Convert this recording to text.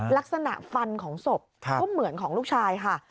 ลักษณะฟันของศพก็เหมือนของลูกชายค่ะ